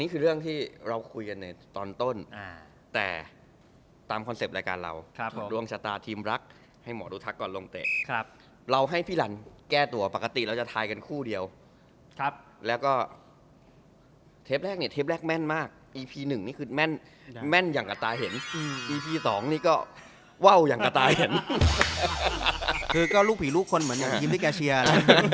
คือก็ลูกผีลูกคนเหมือนยังมียิ้มที่แกเชียร์